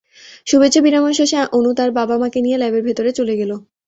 শুভেচ্ছা বিনিময় শেষে, অনু তাঁর বাবা-মাকে নিয়ে ল্যাবের ভেতরে চলে গেল।